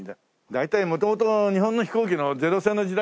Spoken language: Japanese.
大体元々日本の飛行機の零戦の時代からね。